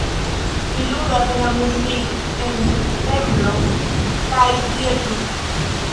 Li ludas en la muzik-ensemblo Kaj Tiel Plu.